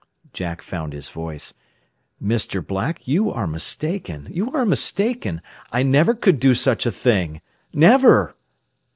Jack found his voice. "Mr. Black, you are mistaken! You are mistaken! I never could do such a thing! Never!"